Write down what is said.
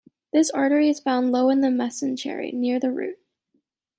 This artery is found low in the mesentery, near the root.